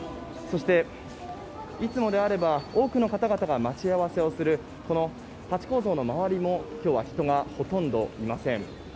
そして、いつもであれば多くの方々が待ち合わせをするこのハチ公像の周りも今日は人がほとんどいません。